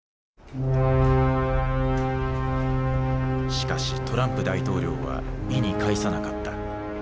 しかしトランプ大統領は意に介さなかった。